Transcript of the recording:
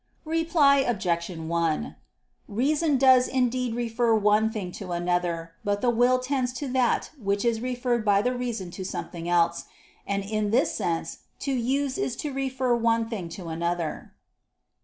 Reply Obj. 1: Reason does indeed refer one thing to another; but the will tends to that which is referred by the reason to something else. And in this sense to use is to refer one thing to another.